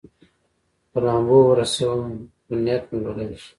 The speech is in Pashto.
په لامبو ورسوم، خو نیت مې بدل شو.